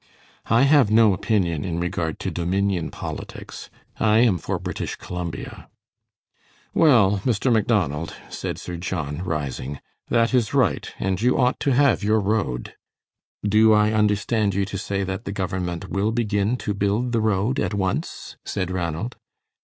"I have no opinion in regard to Dominion politics. I am for British Columbia." "Well, Mr. Macdonald," said Sir John, rising, "that is right, and you ought to have your road." "Do I understand you to say that the government will begin to build the road at once?" said Ranald.